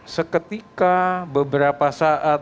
seketika beberapa saat